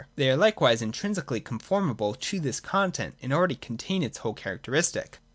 They are likewise intrinsically conformable to this content, and already contain its whole characteristic.